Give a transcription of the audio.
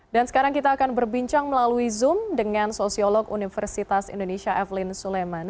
dan sekarang kita akan berbincang melalui zoom dengan sosiolog universitas indonesia evelyn suleman